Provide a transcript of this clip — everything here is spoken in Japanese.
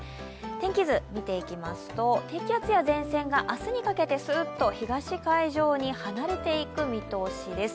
天気図、見ていきますと低気圧や前線が明日にかけてすーっと東海上に離れていく見通しです。